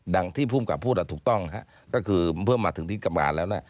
ที่ภูมิกับพูดถูกต้องก็คือเมื่อมาถึงที่กรรมการแล้วเนี่ย